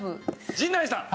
陣内さん。